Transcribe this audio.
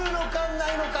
ないのか？